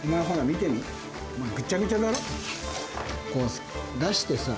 こう出してさ